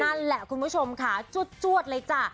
นั่นแหละคุณผู้ชมค่ะจวดเลยจ้ะ